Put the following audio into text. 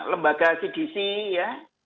lembaga cdc ya